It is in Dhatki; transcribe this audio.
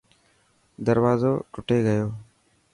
دروازو ٽٽي گيو.